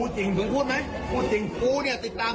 มาหิ้วออกไปจากโต๊ะเพราะหามีเรื่อง